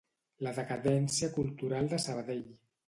La decadència cultural de Sabadell.